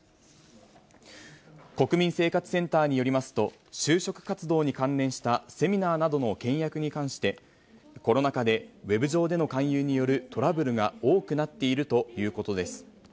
国民生活センターによりますと、就職活動に関連したセミナーなどの契約に関して、コロナ禍でウェブ上での勧誘によるトラブルが多くなっているということです。